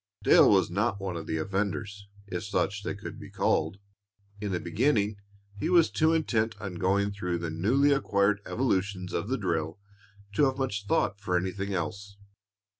Dale was not one of the offenders, if such they could be called. In the beginning he was too intent on going through the newly acquired evolutions of the drill to have much thought for anything else.